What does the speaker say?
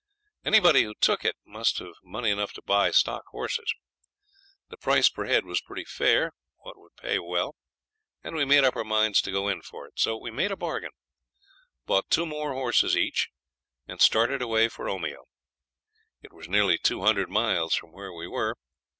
Anybody who took it must have money enough to buy stock horses. The price per head was pretty fair, what would pay well, and we made up our minds to go in for it. So we made a bargain; bought two more horses each, and started away for Omeo. It was near 200 miles from where we were.